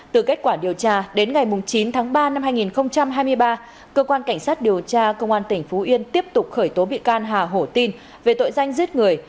từ kết quả điều tra đến ngày chín tháng ba năm hai nghìn hai mươi ba cơ quan cảnh sát điều tra công an tỉnh phú yên tiếp tục khởi tố bị can hà hổ tin về tội danh giết người